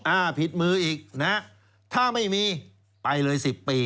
อ่าผิดมืออีกนะฮะถ้าไม่มีไปเลยสิบปี